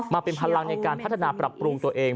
มาเป็นพลังในการพัฒนาปรับปรุงตัวเอง